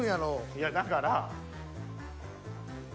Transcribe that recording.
いやだから。